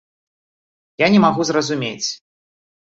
Я не магу зразумець.